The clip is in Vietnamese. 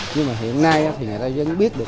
nhưng mà hiện nay thì người ta vẫn biết được